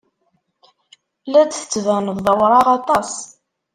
La d-tettbaned d awraɣ aṭas.